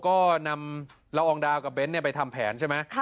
ก็นำละอองดาวกับเน้นไปทำแผนใช่ไหม